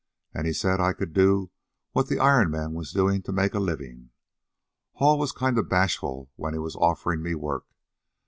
An' he said I could do what the Iron Man was doin' to make a livin'. Hall was kind of bashful when he was offerin' me work.